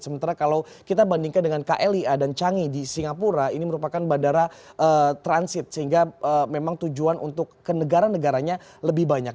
sementara kalau kita bandingkan dengan klia dan changi di singapura ini merupakan bandara transit sehingga memang tujuan untuk ke negara negaranya lebih banyak